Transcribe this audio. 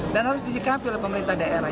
dan harus disikapi oleh pemerintah daerah